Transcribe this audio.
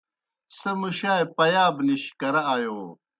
سہ مُشائے پیَاب نِش کرہ آیو۔